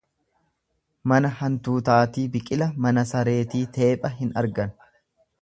Mana hantuutaatii biqila mana sareetii teepha hin argan.